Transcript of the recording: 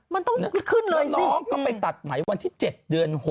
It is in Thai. มันต้องขึ้นเลยน้องก็ไปตัดไหมวันที่๗เดือน๖